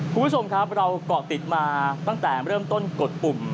คุณผู้ชมครับเราเกาะติดมาตั้งแต่เริ่มต้นกดปุ่ม